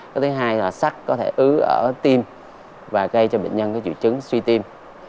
cái thứ hai là sắc có thể ứ ở tim và gây cho bệnh nhân triệu chứng suy tim